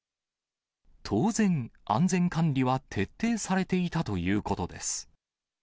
当然、安全管理は徹底されていたということです。